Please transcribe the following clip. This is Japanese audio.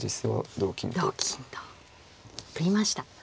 同金と取りました。